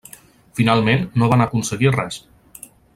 Finalment no van aconseguir res.